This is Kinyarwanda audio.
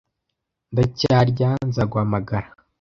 Ndacyarya. Nzaguhamagara.